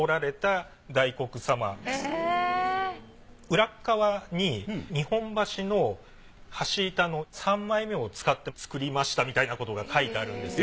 裏側に日本橋の橋板の三枚目を使って作りましたみたいなことが書いてあるんですよ。